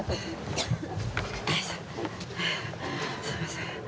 すいません。